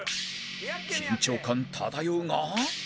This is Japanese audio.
緊張感漂うが